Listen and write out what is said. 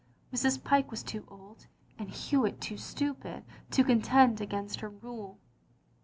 Mrs. Pyke was too old, and Hewitt too stupid, to contend against her rule.